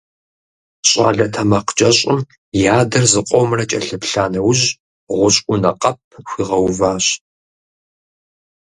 ЩӀалэ тэмакъкӀэщӀым и адэр зыкъомрэ кӀэлъыплъа нэужь, гъущӀ Ӏунэ къэп хуигъэуващ.